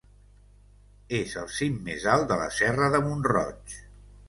És el cim més alt de la Serra de Mont-roig.